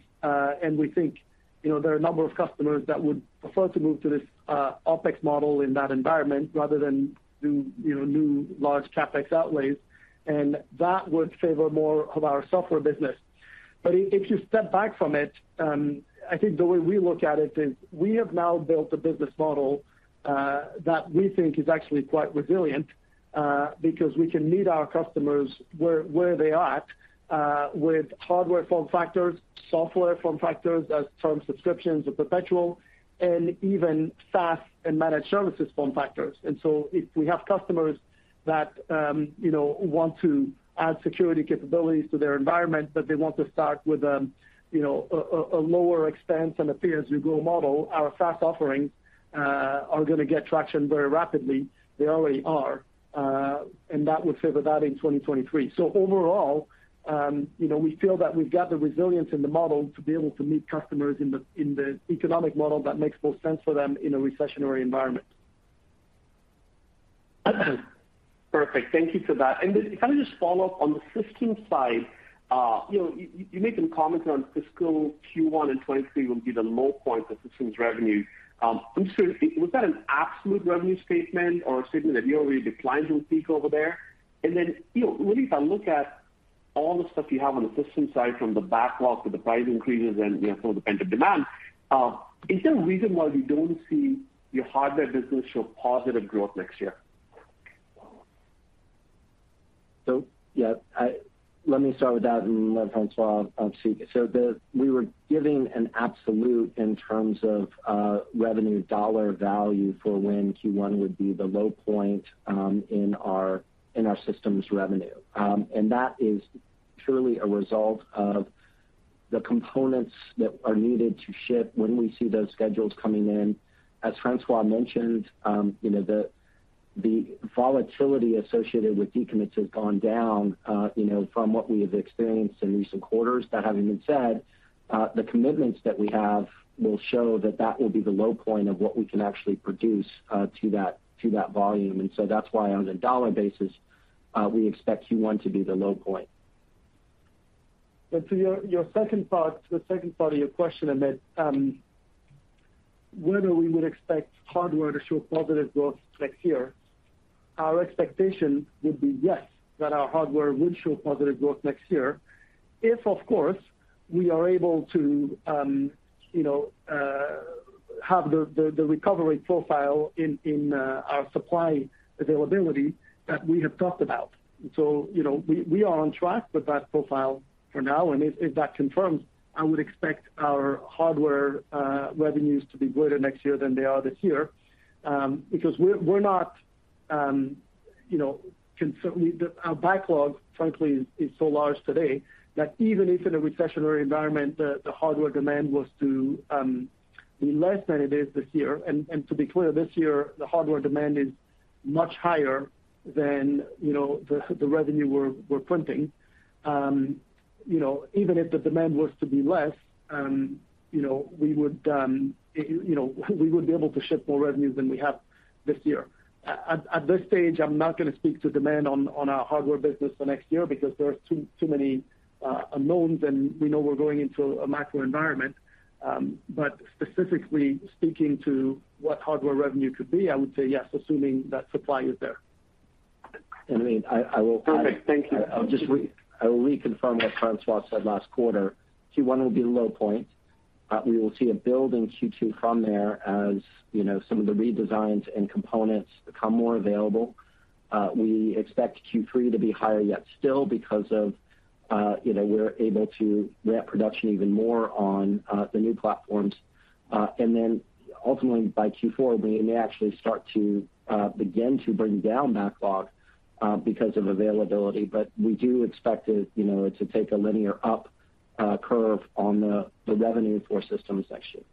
We think, you know, there are a number of customers that would prefer to move to this OpEx model in that environment rather than do, you know, new large CapEx outlays, and that would favor more of our software business. If you step back from it, I think the way we look at it is we have now built a business model that we think is actually quite resilient because we can meet our customers where they are at with hardware form factors, software form factors as term subscriptions or perpetual, and even SaaS and managed services form factors. If we have customers that, you know, want to add security capabilities to their environment, but they want to start with, you know, a lower expense and a pay-as-you-grow model, our SaaS offerings are gonna get traction very rapidly. They already are. That would favor that in 2023. Overall, you know, we feel that we've got the resilience in the model to be able to meet customers in the economic model that makes more sense for them in a recessionary environment. Perfect. Thank you for that. If I may just follow up on the systems side. You know, you made some comments around fiscal Q1 in 2023 will be the low point for systems revenue. I'm just curious, was that an absolute revenue statement or a statement relative to the peak over there? You know, really if I look at all the stuff you have on the systems side from the backlog to the price increases and, you know, some of the pent-up demand, is there a reason why we don't see your hardware business show positive growth next year? Yeah, let me start with that, and then François, I'll speak. We were giving an absolute in terms of revenue dollar value for when Q1 would be the low point in our systems revenue. That is purely a result of the components that are needed to ship when we see those schedules coming in. As François mentioned, the volatility associated with decommits has gone down from what we have experienced in recent quarters. That having been said, the commitments that we have will show that that will be the low point of what we can actually produce to that volume. That's why on a dollar basis, we expect Q1 to be the low point. To the second part of your question, Amit, whether we would expect hardware to show positive growth next year, our expectation would be, yes, that our hardware will show positive growth next year. If, of course, we are able to, you know, have the recovery profile in our supply availability that we have talked about. You know, we are on track with that profile for now, and if that confirms, I would expect our hardware revenues to be greater next year than they are this year. Because we're not, you know, our backlog, frankly, is so large today that even if in a recessionary environment, the hardware demand was to be less than it is this year. To be clear, this year, the hardware demand is much higher than, you know, the revenue we're printing. You know, even if the demand was to be less, you know, we would be able to ship more revenue than we have this year. At this stage, I'm not gonna speak to demand on our hardware business for next year because there are too many unknowns, and we know we're going into a macro environment. Specifically speaking to what hardware revenue could be, I would say yes, assuming that supply is there. I mean, I will add- Perfect. Thank you. I will reconfirm what François said last quarter. Q1 will be the low point. We will see a build in Q2 from there. As you know, some of the redesigns and components become more available. We expect Q3 to be higher yet still because, you know, we're able to ramp production even more on the new platforms. Then ultimately by Q4, we may actually start to begin to bring down backlog because of availability. We do expect it, you know, to take a linear up curve on the revenue for systems actually.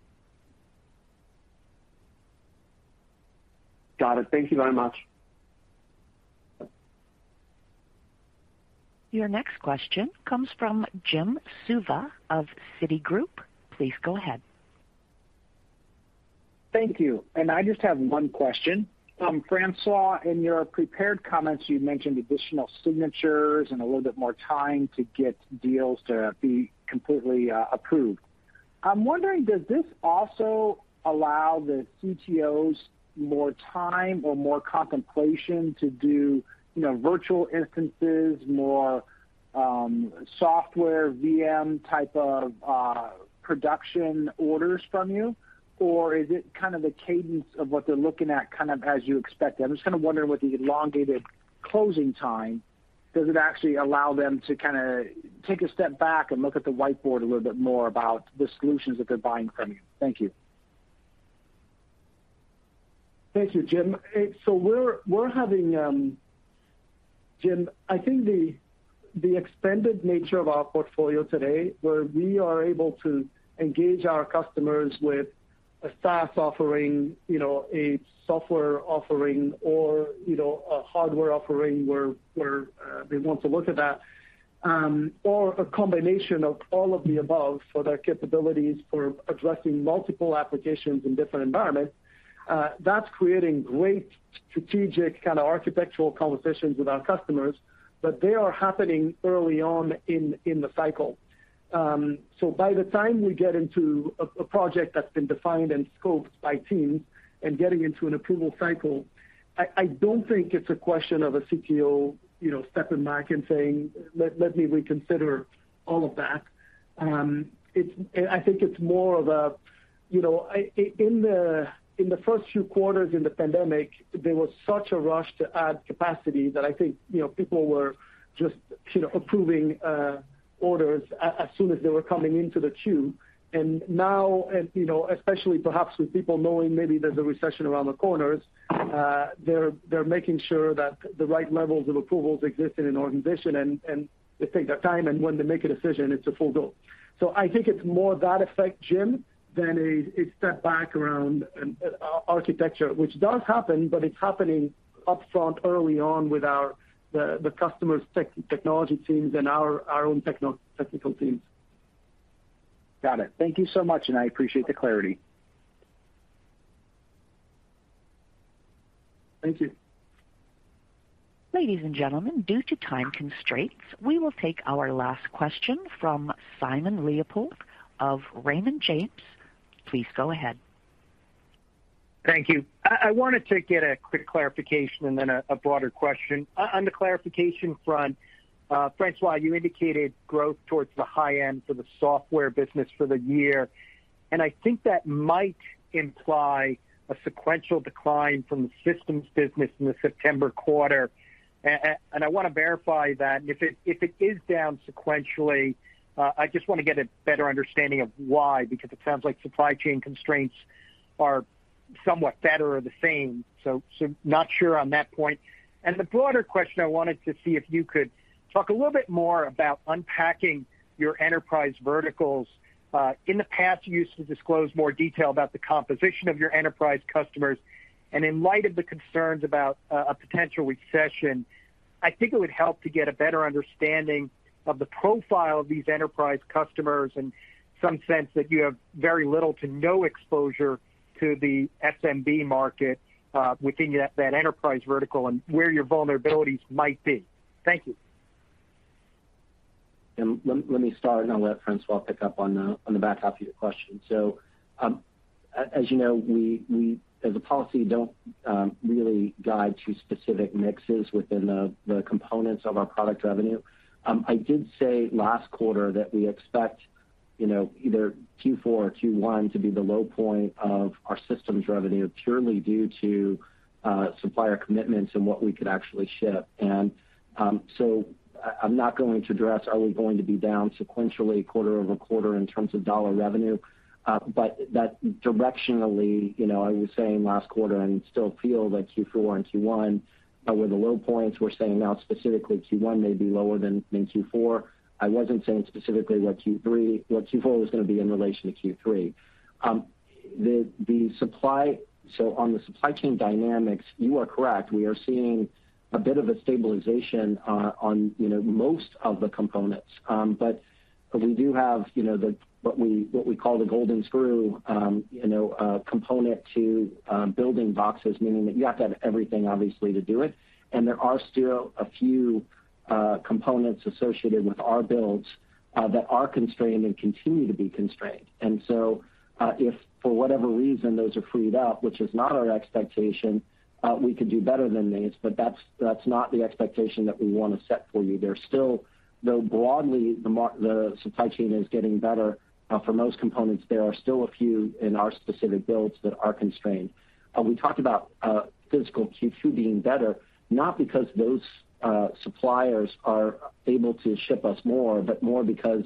Got it. Thank you very much. Your next question comes from Jim Suva of Citigroup. Please go ahead. Thank you. I just have one question. François, in your prepared comments, you mentioned additional signatures and a little bit more time to get deals to be completely approved. I'm wondering, does this also allow the CTOs more time or more contemplation to do, you know, virtual instances, more software VM type of production orders from you? Or is it kind of the cadence of what they're looking at kind of as you expect? I'm just kind of wondering, with the elongated closing time, does it actually allow them to kinda take a step back and look at the whiteboard a little bit more about the solutions that they're buying from you? Thank you. Thank you, Jim. I think the expanded nature of our portfolio today, where we are able to engage our customers with a SaaS offering, you know, a software offering or, you know, a hardware offering where they want to look at that, or a combination of all of the above for their capabilities for addressing multiple applications in different environments, that's creating great strategic kind of architectural conversations with our customers, but they are happening early on in the cycle. By the time we get into a project that's been defined and scoped by teams and getting into an approval cycle, I don't think it's a question of a CTO, you know, stepping back and saying, "Let me reconsider all of that." It's, and I think it's more of a, you know, in the first few quarters in the pandemic, there was such a rush to add capacity that I think, you know, people were just, you know, approving orders as soon as they were coming into the queue. Now, you know, especially perhaps with people knowing maybe there's a recession around the corner, they're making sure that the right levels of approvals exist in an organization, and they take their time, and when they make a decision, it's a full go. I think it's more the effect, Jim, than a step back around architecture, which does happen, but it's happening upfront early on with the customers technology teams and our own technical teams. Got it. Thank you so much, and I appreciate the clarity. Thank you. Ladies and gentlemen, due to time constraints, we will take our last question from Simon Leopold of Raymond James. Please go ahead. Thank you. I wanted to get a quick clarification and then a broader question. On the clarification front, François, you indicated growth towards the high end for the software business for the year, and I think that might imply a sequential decline from the systems business in the September quarter. I want to verify that. If it is down sequentially, I just want to get a better understanding of why, because it sounds like supply chain constraints are somewhat better or the same, so not sure on that point. I wanted to see if you could talk a little bit more about unpacking your enterprise verticals. In the past, you used to disclose more detail about the composition of your enterprise customers. In light of the concerns about a potential recession, I think it would help to get a better understanding of the profile of these enterprise customers and some sense that you have very little to no exposure to the SMB market within that enterprise vertical and where your vulnerabilities might be. Thank you. Jim, let me start, and I'll let François pick up on the back half of your question. As you know, we as a policy don't really guide to specific mixes within the components of our product revenue. I did say last quarter that we expect, you know, either Q4 or Q1 to be the low point of our systems revenue purely due to supplier commitments and what we could actually ship. I'm not going to address are we going to be down sequentially quarter-over-quarter in terms of dollar revenue. That directionally, you know, I was saying last quarter and still feel that Q4 and Q1 are where the low points. We're saying now specifically Q1 may be lower than Q4. I wasn't saying specifically what Q4 was gonna be in relation to Q3. On the supply chain dynamics, you are correct. We are seeing a bit of a stabilization on you know, most of the components. But we do have you know, the what we call the golden screw you know, component to building boxes, meaning that you have to have everything obviously to do it. There are still a few components associated with our builds that are constrained and continue to be constrained. If for whatever reason those are freed up, which is not our expectation, we could do better than these, but that's not the expectation that we wanna set for you. There's still, though broadly the supply chain is getting better, for most components, there are still a few in our specific builds that are constrained. We talked about fiscal Q2 being better, not because those suppliers are able to ship us more, but more because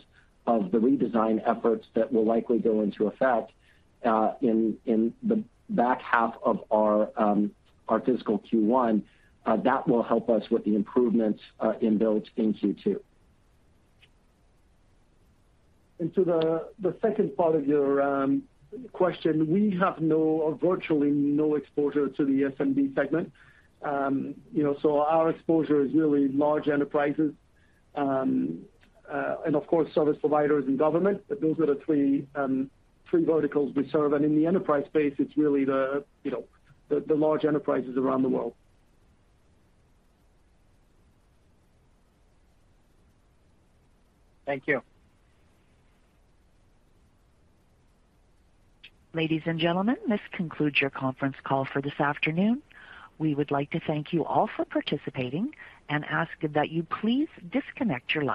of the redesign efforts that will likely go into effect in the back half of our fiscal Q1. That will help us with the improvements in builds in Q2. To the second part of your question, we have no or virtually no exposure to the SMB segment. You know, so our exposure is really large enterprises, and of course, service providers and government. But those are the three verticals we serve. In the enterprise space, it's really the, you know, the large enterprises around the world. Thank you. Ladies and gentlemen, this concludes your conference call for this afternoon. We would like to thank you all for participating and ask that you please disconnect your lines.